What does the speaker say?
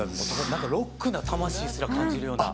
なんかロックな魂すら感じるような。